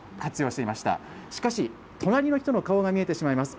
しかし、隣の人の顔が見えてしまいます。